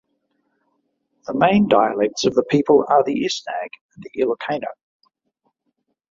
The main dialects of the people are the Isnag and the Ilocano.